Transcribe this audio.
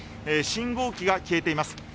信号機が消えています。